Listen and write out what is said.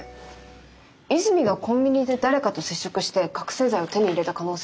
泉がコンビニで誰かと接触して覚醒剤を手に入れた可能性は？